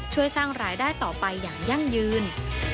ช่วยสร้างรายได้ต่อไปอย่างยั่งยืน